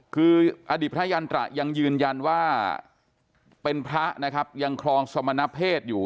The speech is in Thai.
คืออดีตพระยันตระยังยืนยันว่าเป็นพระนะครับยังครองสมณเพศอยู่